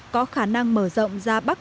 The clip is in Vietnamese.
có khả năng mở rộng ra bắc